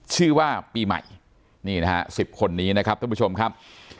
ชื่อว่าปีใหม่นี่นะฮะ๑๐คนนี้นะครับท่านผู้ชมครับ